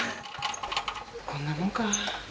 こんなもんか。